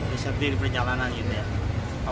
di sepi di perjalanan gitu ya